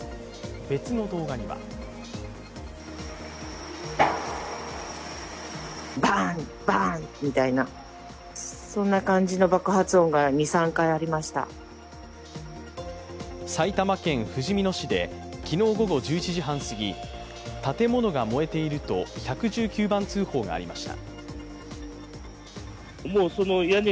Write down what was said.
別の動画には埼玉県ふじみ野市で昨日午後１１時半すぎ、建物が燃えていると１１９番通報がありました。